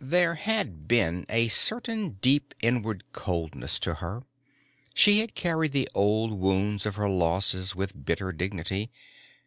There had been a certain deep inward coldness to her. She had carried the old wound of her losses with bitter dignity.